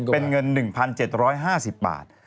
เป็นเงิน๑๗๕๐บาท